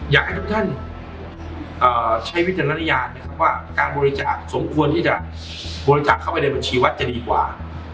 อยากให้ทุกท่านใช้วิจารณญาณนะครับว่าการบริจาคสมควรที่จะบริจาคเข้าไปในบัญชีวัดจะดีกว่า